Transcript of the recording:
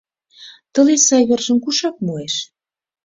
Тылеч сай вержым кушак муэш?